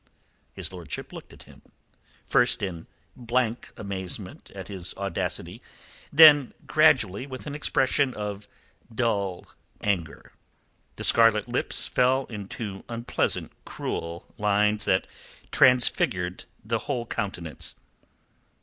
His lordship looked at him, first in blank amazement at his audacity, then gradually with an expression of dull anger. The scarlet lips fell into unpleasant, cruel lines that transfigured the whole countenance.